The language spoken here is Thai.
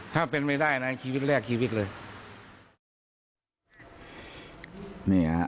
ถ้าเป็นไม่ได้นะชีวิตแรกชีวิตเลย